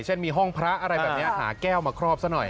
เช่นมีห้องพระอะไรแบบนี้หาแก้วมาครอบซะหน่อย